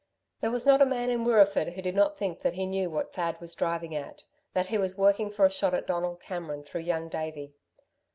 There was not a man in Wirreeford who did not think he knew what Thad was driving at, that he was working for a shot at Donald Cameron through Young Davey.